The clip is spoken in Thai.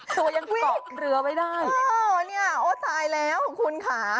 แต่ยังเกาะเรือบ้าง